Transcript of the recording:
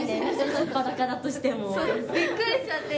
素っ裸だとしても。びっくりしちゃって、今。